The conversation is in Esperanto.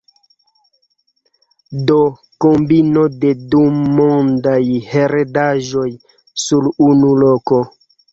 Do kombino de du mondaj heredaĵoj sur unu loko.